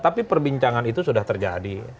tapi perbincangan itu sudah terjadi